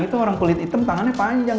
itu orang kulit hitam tangannya panjang